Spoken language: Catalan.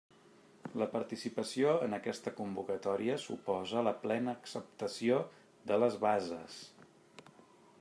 La participació en aquesta convocatòria suposa la plena acceptació de les bases.